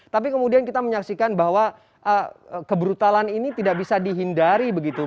tapi kemudian kita menyaksikan bahwa kebrutalan ini tidak bisa dihindari begitu